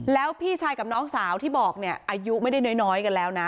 แล้วพี่ชายกับน้องสาวที่บอกเนี่ยอายุไม่ได้น้อยกันแล้วนะ